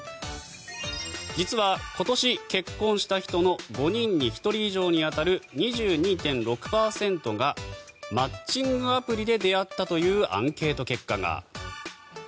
実は今年結婚した人の５人に１人以上に当たる２２．６％がマッチングアプリで出会ったというアンケート結果が。